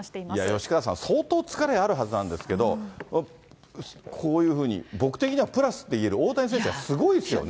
吉川さん、相当疲れあるはずなんですけど、こういうふうに、僕的にはプラスって言える、大谷選手がすごいですよね。